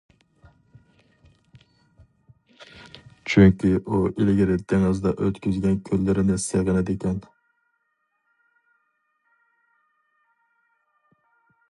چۈنكى ئۇ ئىلگىرى دېڭىزدا ئۆتكۈزگەن كۈنلىرىنى سېغىنىدىكەن.